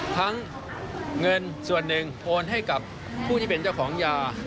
ทั้งเงินส่วนหนึ่งโอนให้กับผู้ที่เป็นเจ้าของยา